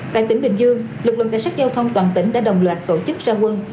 tại tỉnh bình dương lực lượng cảnh sát giao thông toàn tỉnh đã đồng loạt tổ chức ra quân